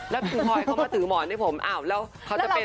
แล้วคุณพลอยเขามาถือหมอนให้ผมอ้าวแล้วเขาจะเป็น